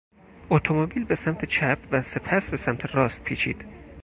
اتومبیل به سمت چپ و سپس به سمت راست پیچید.